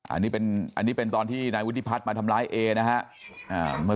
อันนี้เป็นอันนี้เป็นตอนที่นายวิธีพัฒน์มาทำร้ายเอนะฮะเมื่อ